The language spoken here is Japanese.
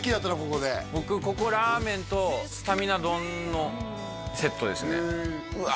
ここで僕ここラーメンとスタミナ丼のセットですねうわ